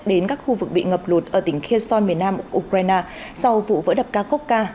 đến các khu vực bị ngập lụt ở tỉnh kheson miền nam ukraine sau vụ vỡ đập ca khúc ca